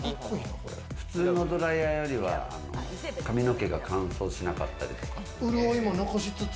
普通のドライヤーよりは髪の毛が乾燥しなかったりとか。